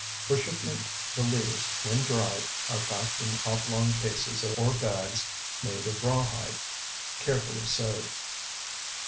For shipment the leaves, when dried, are packed in oblong cases or bags made of rawhide carefully sewed.